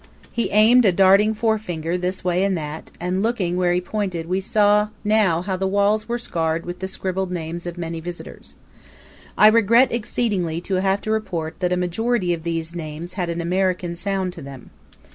He aimed a darting forefinger this way and that, and looking where he pointed we saw now how the walls were scarred with the scribbled names of many visitors. I regret exceedingly to have to report that a majority of these names had an American sound to them.